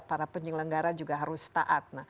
para penyelenggara juga harus taat